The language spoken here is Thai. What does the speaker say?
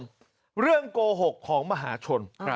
คุณผู้ชมเรื่องโกหกของมหาชน